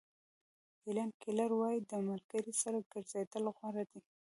هیلن کیلر وایي د ملګري سره ګرځېدل غوره دي.